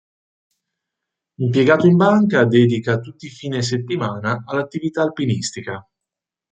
Impiegato in banca, dedica tutti i fine settimana all'attività alpinistica.